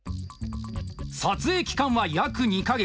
撮影期間は約２か月。